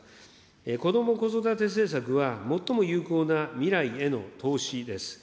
こども・子育て政策は、最も有効な未来への投資です。